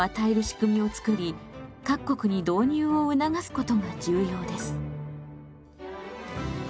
しくみをつくり各国に導入を促すことが重要です。